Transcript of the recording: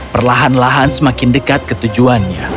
perlahan lahan semakin dekat ketujuannya